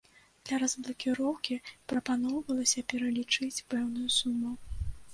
Для разблакіроўкі прапаноўвалася пералічыць пэўную суму.